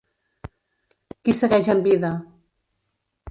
Qui segueix amb vida?